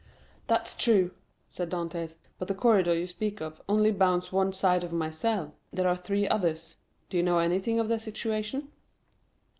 "That's true," said Dantès; "but the corridor you speak of only bounds one side of my cell; there are three others—do you know anything of their situation?"